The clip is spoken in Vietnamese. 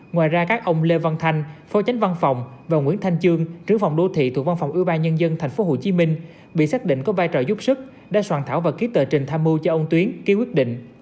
ngoài ra các ông lê văn thanh phó chánh văn phòng và nguyễn thanh chương trưởng phòng đô thị thuộc văn phòng ủy ban nhân dân tp hcm bị xác định có vai trò giúp sức đã soạn thảo và ký tờ trình tham mưu cho ông tuyến khi quyết định